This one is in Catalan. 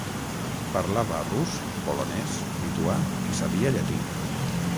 Parlava rus, polonès, lituà i sabia llatí.